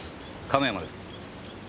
亀山です。